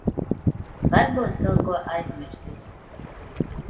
Varbūt kaut ko aizmirsis.